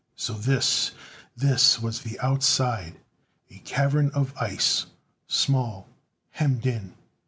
So this, this was the Outside! A cavern of ice small, hemmed in!